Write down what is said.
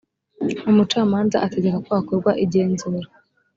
umucamanza ategeka ko hakorwa igenzura